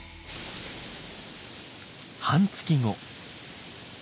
半月後。